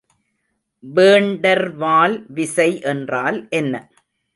வேண்டர்வால் விசை என்றால் என்ன?